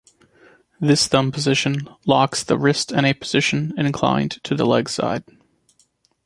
This thumb position locks the wrist in a position inclined to the leg side.